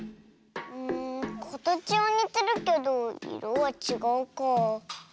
かたちはにてるけどいろはちがうかあ。